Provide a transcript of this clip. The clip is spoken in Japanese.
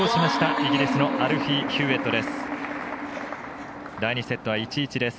イギリスのアルフィー・ヒューウェットです。